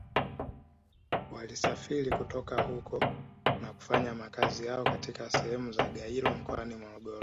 Walisafiri kutoka huko na kufanya makazi yao katika sehemu za Gairo mkoani Morogoro